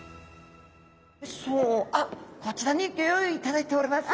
あっこちらにギョ用意いただいております。